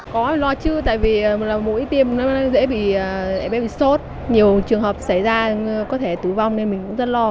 có lo chứ tại vì mỗi tiêm dễ bị sốt nhiều trường hợp xảy ra có thể tù vong nên mình cũng rất lo